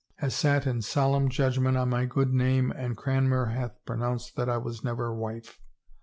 — has sat in solemn judgment on my good name and Cranmer hath pronounced that I was never wife!